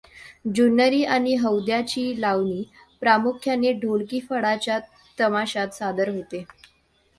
जुन्नरी आणि हौद्याची लावणी प्रामुख्याने ढोलकी फडाच्या तमाशात सादर होते.